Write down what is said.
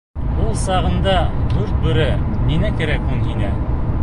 — Ул сағында дүрт бүре ниңә кәрәк һуң һиңә?